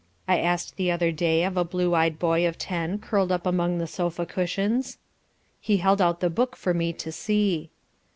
I asked the other day of a blue eyed boy of ten curled up among the sofa cushions. He held out the book for me to see.